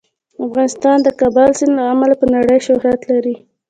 افغانستان د کابل سیند له امله په نړۍ شهرت لري.